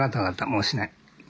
もうしない。